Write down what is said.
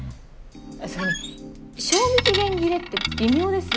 それに賞味期限切れって微妙ですよね。